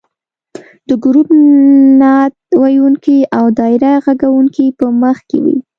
د ګروپ نعت ویونکي او دایره غږونکې به مخکې وي.